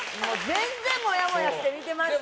全然、モヤモヤして見てました。